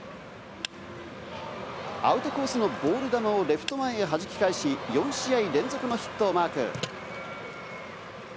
アウトコースのボール球をレフト前へはじき返し、４試合連続のヒットをマーク。